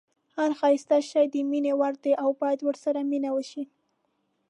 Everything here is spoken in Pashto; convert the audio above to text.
هر ښایسته شی د مینې وړ دی او باید ورسره مینه وشي.